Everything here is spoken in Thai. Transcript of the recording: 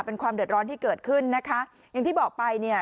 เป็นความเดือดร้อนที่เกิดขึ้นนะคะอย่างที่บอกไปเนี่ย